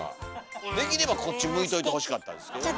できればこっち向いといてほしかったですけどね。